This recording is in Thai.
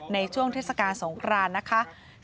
ในช่วงเทศกาลสงครานนะคะ